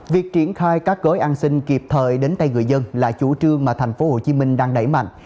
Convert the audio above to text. việc triển khai các gói an sinh kịp thời đến tay người dân là chủ trương mà thành phố hồ chí minh đang đẩy mạnh